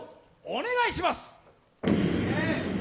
お願いします！